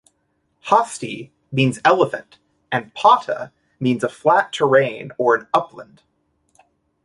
'Hasti' means elephant and 'Potta' means a flat terrain or an upland.